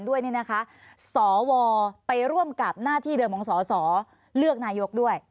ด้วยเนี่ยนะคะสวไปร่วมกับหน้าที่เดิมของสอสอเลือกนายกด้วย